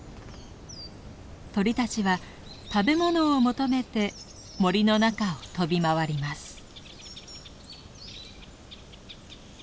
鳥たちは食べ物を求めて森の中を飛び回ります。